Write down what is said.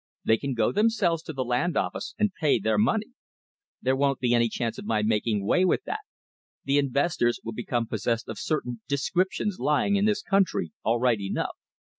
They can go themselves to the Land Office and pay their money. There won't be any chance of my making way with that. The investors will become possessed of certain 'descriptions' lying in this country, all right enough.